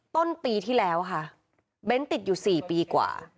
ต้นปีที่แล้วค่ะเบ้นติดอยู่๔ปีกว่า